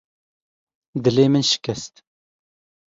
Dilê min şikest.